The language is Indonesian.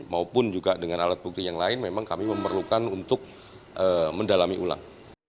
maupun juga dengan alat bukti yang lain memang kami memerlukan untuk mendalami ulang